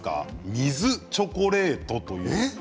水チョコレート。